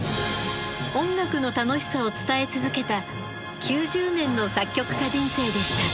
音楽の楽しさを伝え続けた９０年の作曲家人生でした。